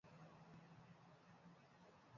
viazi lishe husindikwa ili kupata unga